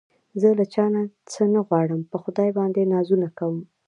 زه له چا څه نه غواړم په خدای باندې نازونه کوم